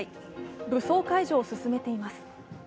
武装解除を進めています。